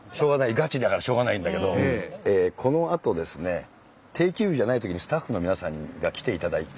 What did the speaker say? ガチだからしょうがないんだけどこのあとですね定休日じゃないときにスタッフの皆さんが来ていただいて。